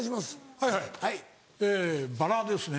はいはいえバラですね。